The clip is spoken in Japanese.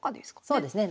そうですね。